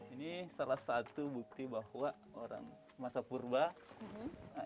ini salah satu bukti bahwa orang masa purba